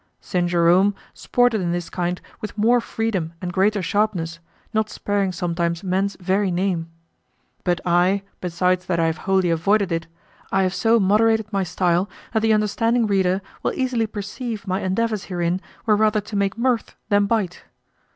Saint Jerome sported in this kind with more freedom and greater sharpness, not sparing sometimes men's very name. But I, besides that I have wholly avoided it, I have so moderated my style that the understanding reader will easily perceive my endeavors herein were rather to make mirth than bite.